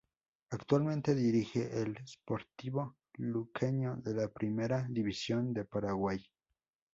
Actualmente dirige al Sportivo Luqueño de la Primera División de Paraguay.